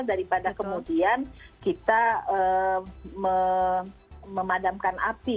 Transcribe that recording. daripada kemudian kita memadamkan api